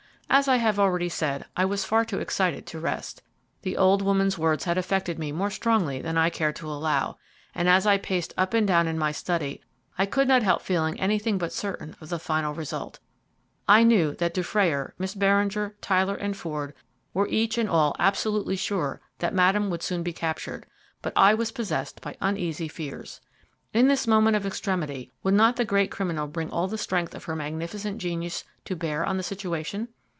As I have already said, I was far too excited to rest. The old woman's words had affected me more strongly than I cared to allow, and as I paced up and down in my study, I could not help feeling anything but certain of the final result. I knew that Dufrayer, Miss Beringer, Tyler, and Ford were each and all absolutely sure that Madame would soon be captured, but I was possessed by uneasy fears. In this moment of extremity, would not the great criminal bring all the strength of her magnificent genius to bear on the situation?